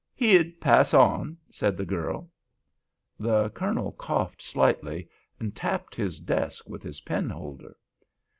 "He'd pass on," said the girl. The Colonel coughed slightly, and tapped his desk with his pen holder.